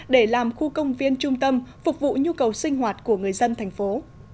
để làm khu công viên trung tâm phục vụ nhu cầu sinh hoạt của người dân thành phố